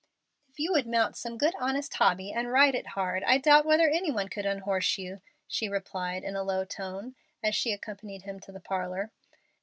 "If you would mount some good honest hobby and ride it hard, I doubt whether any one could unhorse you," she replied in a low tone, as she accompanied him to the parlor.